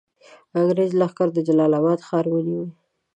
انګرېز لښکرو جلال آباد ښار ونیوی.